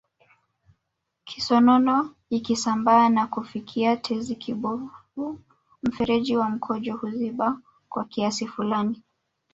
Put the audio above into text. Kisonono ikisambaa na kufikia tezi kibofu mfereji wa mkojo huziba kwa kiasi fulani